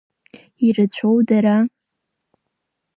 Ирацәоу дара?